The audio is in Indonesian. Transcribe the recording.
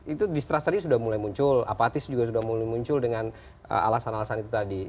itu distrust tadi sudah mulai muncul apatis juga sudah mulai muncul dengan alasan alasan itu tadi